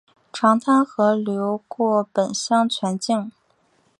长滩河流过本乡全境。